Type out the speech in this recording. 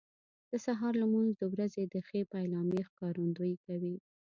د سهار لمونځ د ورځې د ښې پیلامې ښکارندویي کوي.